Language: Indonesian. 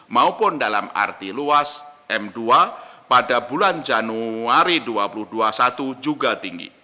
maupun dalam arti luas m dua pada bulan januari dua ribu dua puluh satu juga tinggi